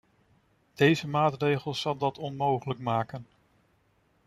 Deze maatregel zal dat onmogelijk maken.